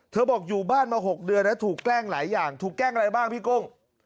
บอกอยู่บ้านมา๖เดือนแล้วถูกแกล้งหลายอย่างถูกแกล้งอะไรบ้างพี่กุ้ง